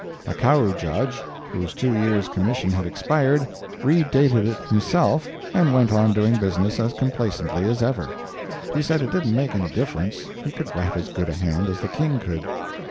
A Kau Judge, whose two years commission had expired, redated it himself and went on doing business as complacently as ever. He said it didn't make any difference—he could write as good a hand as the King could.